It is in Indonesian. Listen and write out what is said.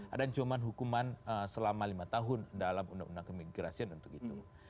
ada ancaman hukuman selama lima tahun dalam undang undang kemigrasian untuk itu